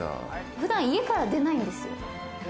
普段、家から出ないんですよ。